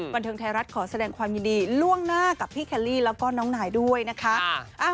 บันเทิงไทยรัฐขอแสดงความยินดีล่วงหน้ากับพี่แคลลี่แล้วก็น้องนายด้วยนะคะ